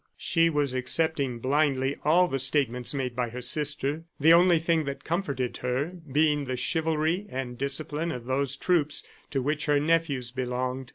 She was accepting blindly all the statements made by her sister, the only thing that comforted her being the chivalry and discipline of those troops to which her nephews belonged.